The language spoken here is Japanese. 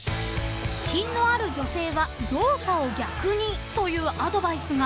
［品のある女性は動作を逆にというアドバイスが］